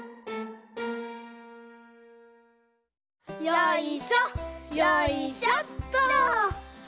よいしょよいしょっと。